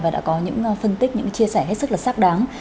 và đã có những phân tích những chia sẻ hết sức là xác đáng